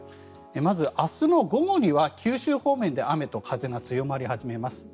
まず明日の午後には九州方面で雨と風が強まり始めます。